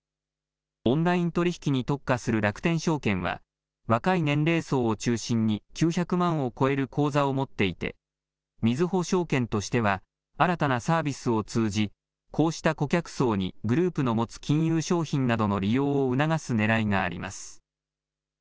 オンライン取り引きに特化する楽天証券は若い年齢層を中心に９００万を超える口座を持っていてみずほ証券としては新たなサービスを通じこうした顧客層にグループの持つ金融商品などの利用を促すねらいがあります。